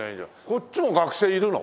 こっちも学生いるの？